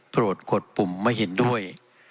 โปรดกดปุ่มไม่เห็นด้วย